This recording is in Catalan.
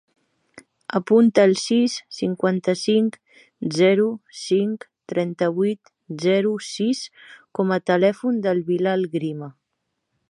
Apunta el sis, cinquanta-cinc, zero, cinc, trenta-vuit, zero, sis com a telèfon del Bilal Grima.